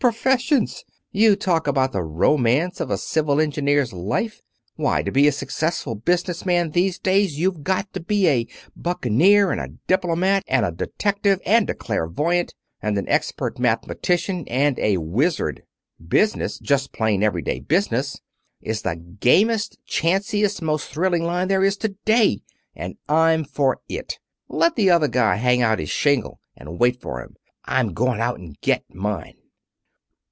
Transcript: Professions! You talk about the romance of a civil engineer's life! Why, to be a successful business man these days you've got to be a buccaneer, and a diplomat, and a detective, and a clairvoyant, and an expert mathematician, and a wizard. Business just plain everyday business is the gamiest, chanciest, most thrilling line there is to day, and I'm for it. Let the other guy hang out his shingle and wait for 'em. I'm going out and get mine."